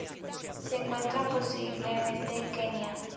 Se encuentra posiblemente en Kenia.